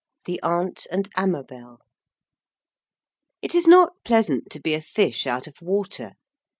X THE AUNT AND AMABEL It is not pleasant to be a fish out of water.